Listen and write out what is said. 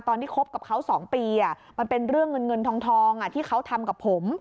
คบกับเขา๒ปีมันเป็นเรื่องเงินเงินทองที่เขาทำกับผม